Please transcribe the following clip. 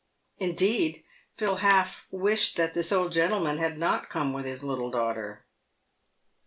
Indeed, Phil half wished that this old gentleman had not come with his little daughter.